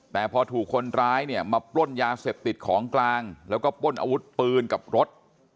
แต่พอถูกคนร้ายเนี่ยมาปล้นยาเสพติดของกลางแล้วก็ปล้นอาวุธปืนกับรถ